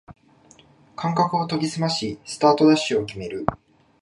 感覚を研ぎすましスタートダッシュを決める